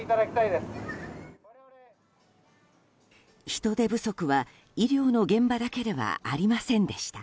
人手不足は医療の現場だけではありませんでした。